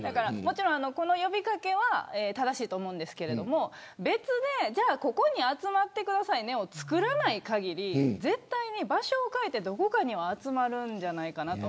この呼び掛けは正しいと思うんですけど別でここに集まってくださいねをつくらないかぎり場所を変えてどこかには集まるんじゃないかなと。